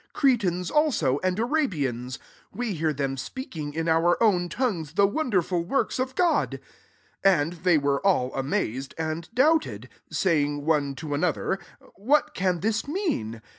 11 Cretans a^ and Arabians ; we hear them speakv ing in our own tongues the wonderful works of God,'* 13 And they were all amazed, and doubted; saying one to ano* ther, " What can this mean